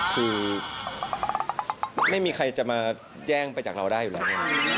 คือไม่มีใครจะมาแจ้งไปจากเราได้อยู่แล้ว